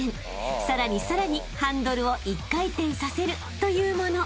［さらにさらにハンドルを１回転させるというもの］